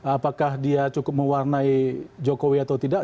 apakah dia cukup mewarnai jokowi atau tidak